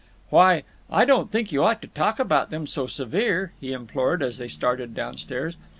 "Why, I don't think you ought to talk about them so severe," he implored, as they started down stairs.